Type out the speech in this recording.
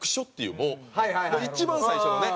もう一番最初のね